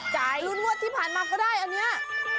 ลุ้นงวดที่ผ่านมาก็ได้อันนี้